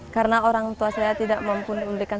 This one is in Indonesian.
karena orang tua saya tidak mampu mengundikan saya seragam